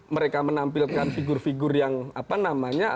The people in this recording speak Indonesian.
mereka menampilkan figur figur yang apa namanya